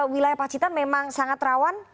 wilayah pacitan memang sangat rawan